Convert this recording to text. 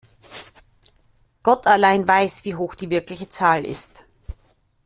Gott allein weiß, wie hoch die wirkliche Zahl ist.